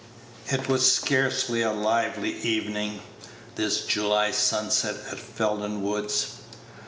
It was scarcely a lively evening, this July sunset at Felden Woods.